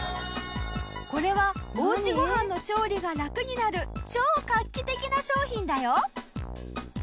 これはおうちご飯の調理がラクになる超画期的な商品だよ。